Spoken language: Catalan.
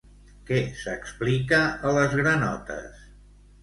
Què s'explica a Les granotes?